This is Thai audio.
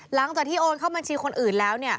หลังจากที่โอนเข้าบัญชีคนอื่นแล้ว